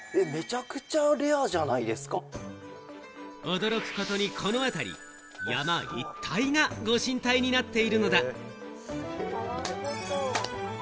驚くことにこの辺り、山一帯が、ご神体になっているのだ。